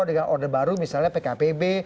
dengan orde baru misalnya pkb